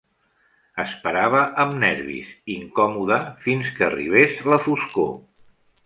Esperava amb nervis, incòmode, fins que arribés la foscor.